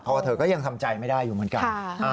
เพราะว่าเธอก็ยังทำใจไม่ได้อยู่เหมือนกัน